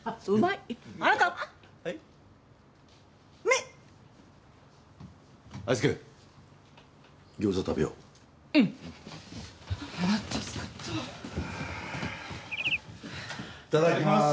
いただきます！